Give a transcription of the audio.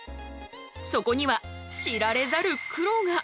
そこには知られざる苦労が。